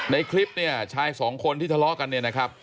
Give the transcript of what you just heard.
ในคลิปเนี่ยชายสองคนที่ทะเลาะกันเนี่ยนะครับ